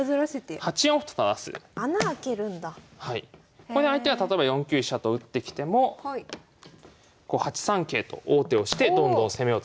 これで相手が例えば４九飛車と打ってきても８三桂と王手をしてどんどん攻めをつないでいくと。